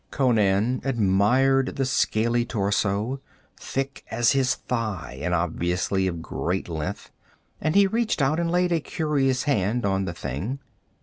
Conan admired the scaly torso, thick as his thigh and obviously of great length, and he reached out and laid a curious hand on the thing.